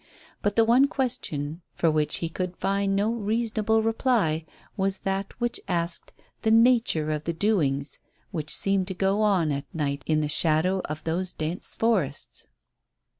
But the one question for which he could find no reasonable reply was that which asked the nature of the doings which seemed to go on at night in the shadow of those dense forests.